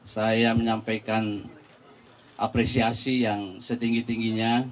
saya menyampaikan apresiasi yang setinggi tingginya